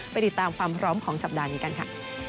ติดตามความพร้อมของสัปดาห์นี้กันค่ะ